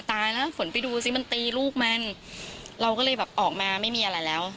ตายแล้วฝนไปดูสิมันตีลูกมันเราก็เลยแบบออกมาไม่มีอะไรแล้ว